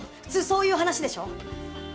普通そういう話でしょ？